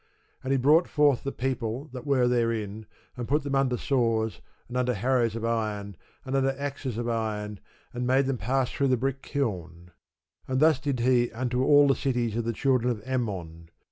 And he brought forth the people that were therein, and put them under saws, and under harrows of iron, and under axes of iron, and made them pass through the brick kiln: and thus did he unto all the cities of the children of Ammon.